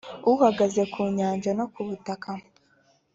uhagaze ku nyanja no ku butaka.